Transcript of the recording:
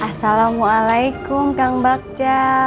assalamualaikum kang bacca